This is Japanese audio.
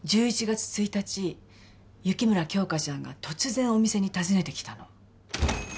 １１月１日雪村京花ちゃんが突然お店に訪ねてきたの。